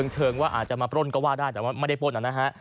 เทิงว่าอาจจะมาปล้นก็ว่าได้แต่ว่าไม่ได้ปล้นนะฮะ